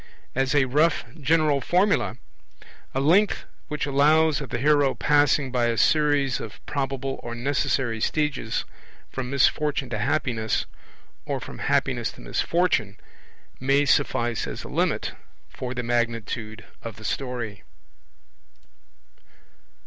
As a rough general formula, 'a length which allows of the hero passing by a series of probable or necessary stages from misfortune to happiness, or from happiness to misfortune', may suffice as a limit for the magnitude of the story.